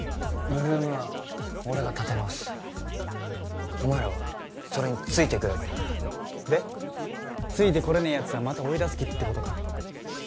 ８ＬＯＯＭは俺が立て直すお前らはそれについてくればいいからでついてこれねえやつはまた追い出す気ってことか？